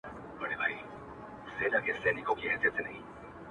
o چي باد نه وي، درخته نه ښوري.